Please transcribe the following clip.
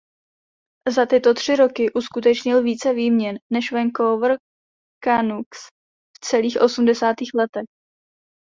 Za tyto tři roky uskutečnil více výměn než Vancouver Canucks v celých osmdesátých letech.